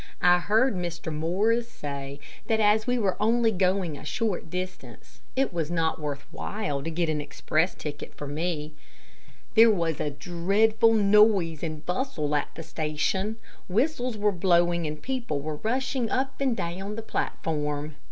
I heard Mr. Morris say that as we were only going a short distance, it was not worth while to get an express ticket for me. There was a dreadful noise and bustle at the station. Whistles were blowing and people were rushing up and down the platform.